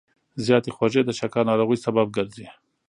زیاتې خوږې د شکر ناروغۍ سبب ګرځي.